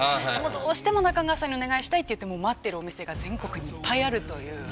どうしても中川さんにお願いしたいといって待っているお店が全国にいっぱいあるという。